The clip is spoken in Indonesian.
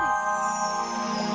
tidak ada apa apa